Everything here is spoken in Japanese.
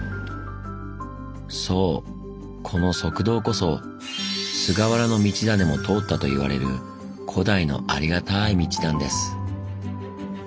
そうこの側道こそ菅原道真も通ったと言われる古代のありがたい道なんです。